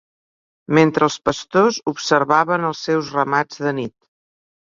Mentre els pastors observaven els seus ramats de nit.